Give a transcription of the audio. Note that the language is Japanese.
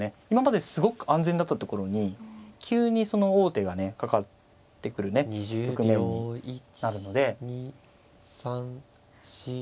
今まですごく安全だったところに急に王手がねかかってくるね局面になるので。